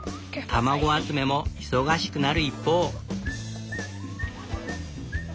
卵集めも忙しくなる一方。